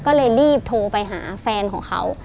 ก็เลยรีบโทรไปหาแฟนของเขา